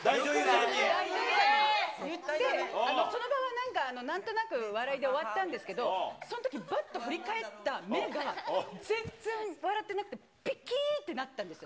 大女優さんに言って、なんか、なんとなく笑いで終わったんですけど、そのときにぱっと振り返った目が、全然笑ってなくて、ぴきーってなったんですよ。